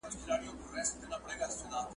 زه کولای سم قلمان کاروم،